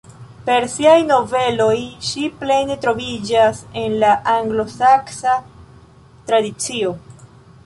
Per siaj noveloj ŝi plene troviĝas en la anglosaksa tradicio.